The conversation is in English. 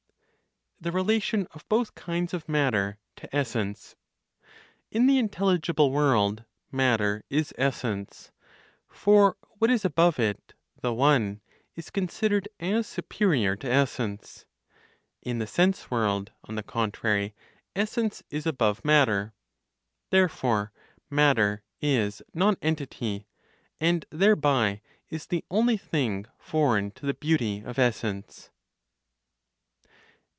THE RELATION OF BOTH KINDS OF MATTER TO ESSENCE. In the intelligible world, matter is essence; for what is above it (the One), is considered as superior to essence. In the sense world, on the contrary, essence is above matter; therefore matter is nonentity, and thereby is the only thing foreign to the beauty of essence.